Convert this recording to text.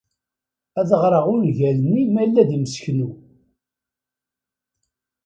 Ad ɣreɣ ungal-nni ma yella d imseknu.